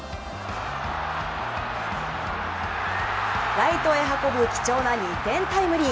ライトへ運ぶ貴重な２点タイムリー。